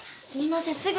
すみません。